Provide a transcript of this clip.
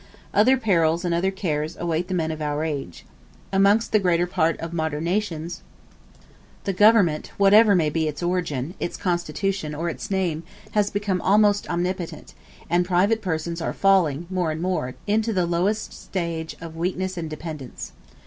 Other perils and other cares await the men of our age. Amongst the greater part of modern nations, the government, whatever may be its origin, its constitution, or its name, has become almost omnipotent, and private persons are falling, more and more, into the lowest stage of weakness and dependence.